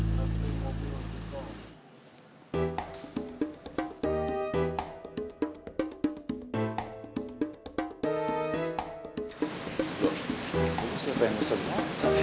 tunggu siapa yang pesennya